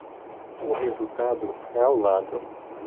O resultado é ao lado